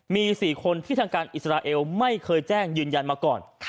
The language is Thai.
มี๔คนที่ทางการอิสราเอลไม่เคยแจ้งยืนยันมาก่อน